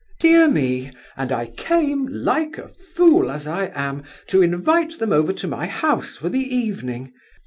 "Dear me, and I came—like a fool, as I am—to invite them over to my house for the evening!